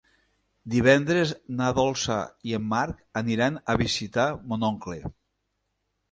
Divendres na Dolça i en Marc aniran a visitar mon oncle.